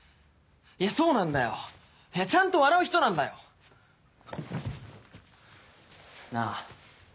いやそうなんだよ。ちゃんと笑う人なんだよ。なあ。